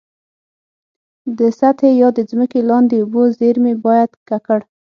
د سطحي یا د ځمکي لاندي اوبو زیرمي باید ککړ.